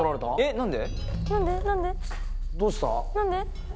何で？